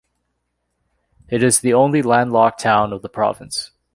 It is the only landlocked town of the province.